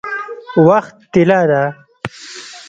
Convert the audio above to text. وخت طلا ده؟